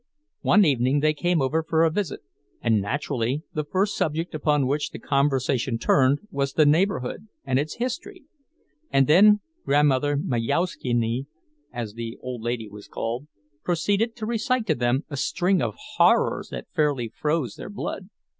One evening they came over for a visit, and naturally the first subject upon which the conversation turned was the neighborhood and its history; and then Grandmother Majauszkiene, as the old lady was called, proceeded to recite to them a string of horrors that fairly froze their blood.